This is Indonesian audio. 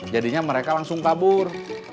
jadinya mereka langsung kabur